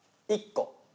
１個。